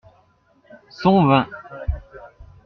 Son vin.